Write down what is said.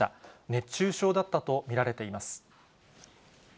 熱中症だったと見られています。